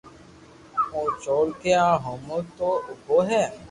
او چور ڪي آ ھومو تو اوڀو ھي